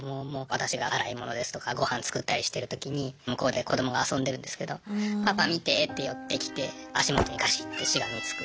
私が洗い物ですとか御飯作ったりしてる時に向こうで子どもが遊んでるんですけどパパ見てって寄ってきて足元にがしってしがみつく。